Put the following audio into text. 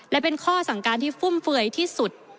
และเป็นข้อสั่งการที่ฟุ่มเฟือยที่สุด